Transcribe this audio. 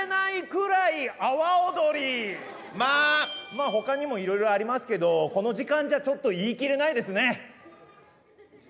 まあほかにもいろいろありますけどこの時間じゃちょっと言い切れないですね！